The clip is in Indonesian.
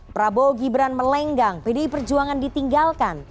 prabowo gibran melenggang pdi perjuangan ditinggalkan